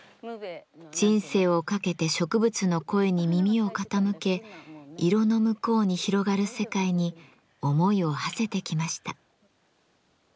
人生をかけて植物の声に耳を傾け色の向こうに広がる世界に思いをはせてきました。